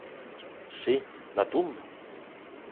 —Si; na tumba!